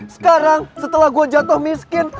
sekarang setelah gue jatuh miskin